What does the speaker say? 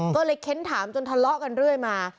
ก็เลยเค้นถามจนทะเลาะกันเรื่อยมา